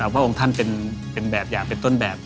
พระองค์ท่านเป็นแบบอย่างเป็นต้นแบบ